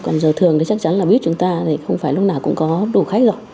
còn giờ thường thì chắc chắn là biết chúng ta thì không phải lúc nào cũng có đủ khách rồi